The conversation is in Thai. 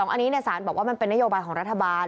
อันนี้สารบอกว่ามันเป็นนโยบายของรัฐบาล